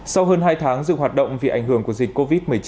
sau hơn hai tháng dừng hoạt động vì ảnh hưởng của dịch covid một mươi chín